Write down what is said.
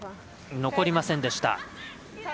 残りませんでした。